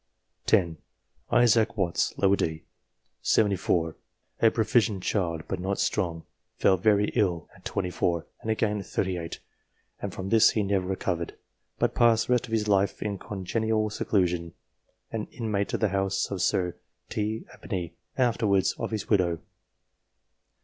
10. Isaac Watts, d. set. 74, a proficient child, but not strong; fell very ill set. 24, and again oat. 38, and from this he never recovered, but passed the rest of his life in congenial seclusion, an inmate of the house of Sir T. Abney, and afterwards of his widow.